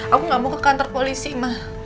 aku gak mau ke kantor polisi mah